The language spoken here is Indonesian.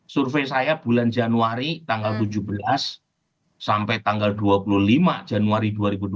survei saya bulan januari tanggal tujuh belas sampai tanggal dua puluh lima januari dua ribu dua puluh